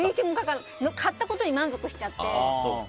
買ったことに満足しちゃって。